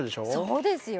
そうですよ